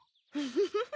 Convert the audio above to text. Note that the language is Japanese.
フフフフ。